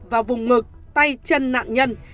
vào vùng ngực tay chân nạn nhân